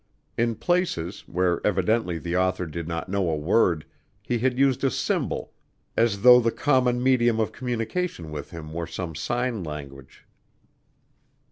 In places, where evidently the author did not know a word, he had used a symbol as though the common medium of communication with him were some sign language.